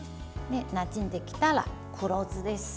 なじんできたら黒酢です。